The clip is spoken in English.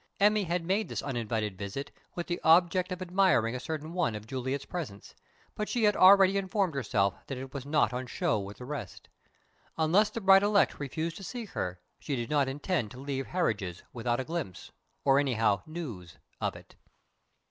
Emmy had made this uninvited visit with the object of admiring a certain one of Juliet's presents, but she had already informed herself that it was not on show with the rest. Unless the bride elect refused to see her, she did not intend to leave Harridge's without a glimpse or anyhow, news of it.